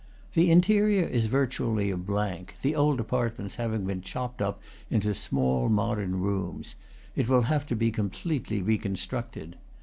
The interior is virtually a blank, the old apart ments having been chopped up into small modern rooms; it will have to be completely reconstructed.